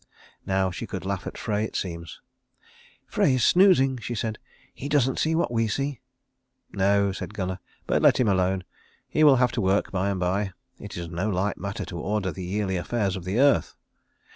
Now she could laugh at Frey, it seems. "Frey is snoozing," she said. "He doesn't see what we see." "No," said Gunnar; "but let him alone. He will have to work by and by. It is no light matter to order the yearly affairs of the earth."